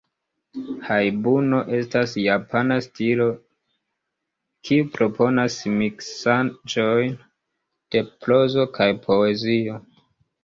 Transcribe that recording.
Hajbuno estas japana stilo kiu proponas miksaĵon de prozo kaj poezio.